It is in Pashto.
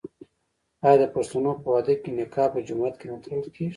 آیا د پښتنو په واده کې نکاح په جومات کې نه تړل کیږي؟